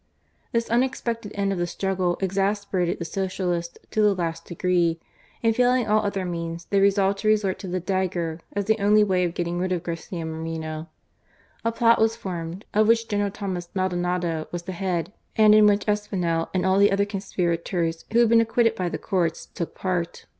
This unexpected end of the struggle exasperated the Socialists to the last degree, and failing all other means they resolved to resort to the dagger, as the only way of getting rid of Garcia Moreno. A plot was formed, of which General Thomas Maldonado was the head, and in which Espinel and all the other conspirators who had been acquitted by the courts, took part.